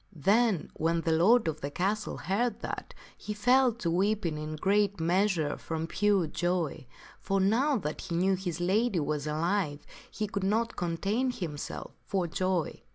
Then when the lord of the castle heard that, he fell to weeping in great measure from pure joy; for now that he knew his lady was alive he could not contain himself for joy.